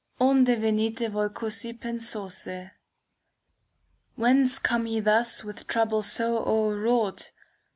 Onde venite voi cos) pentose Whence come ye thus with trouble so o'er wrought?